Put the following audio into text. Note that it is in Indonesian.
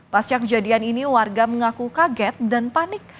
pasca kejadian ini warga mengaku kaget dan panik